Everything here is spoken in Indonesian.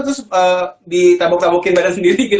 terus ditabuk tabukin badan sendiri